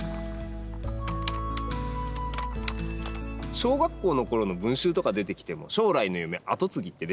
小学校の頃の文集とか出てきても「将来の夢跡継ぎ」って出てるぐらいなんで。